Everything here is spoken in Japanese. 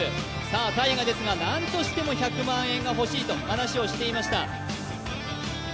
ＴＡＩＧＡですが、なんとしても１００万円が欲しいと話をしていました。